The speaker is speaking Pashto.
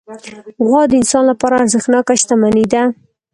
غوا د انسان لپاره ارزښتناکه شتمني ده.